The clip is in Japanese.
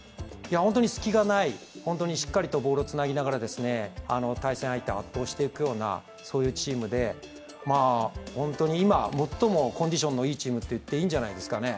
本当に隙がない、しっかりとボールをつなぎながら対戦相手を圧倒していくようなチームで、本当に今最もコンディションのいいチームと言っていいんじゃないでしょうかね。